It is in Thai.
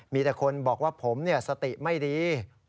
มีแต่คนบอกว่าผมสติไม่ดี